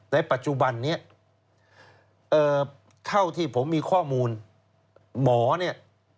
ในปัจจุบันนี้เท่าที่ผมมีข้อมูลหมอเนี่ย